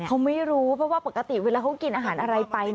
เขาไม่รู้เพราะว่าปกติเวลาเขากินอาหารอะไรไป